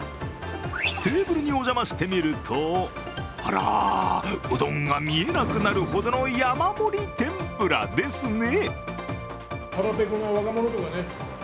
テーブルにお邪魔してみると、あら、うどんが見えなくなるほどの山盛り天ぷらですね。